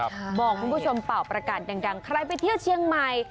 บอกคุณผู้ชมเป่าประกาศดังใครไปเที่ยวเชียงใหม่